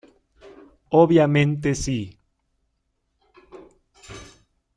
Obviamente, sí.